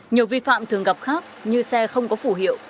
nhiều vi phạm thường gặp khác như xe không có phủ hiệu